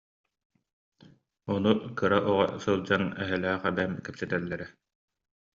Ону кыра оҕо сылдьан эһэлээх эбэм кэпсэтэллэрэ